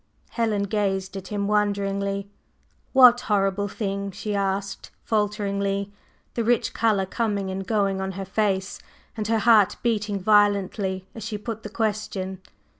Helen gazed at him wonderingly. "What horrible thing?" she asked, falteringly, the rich color coming and going on her face, and her heart beating violently as she put the question.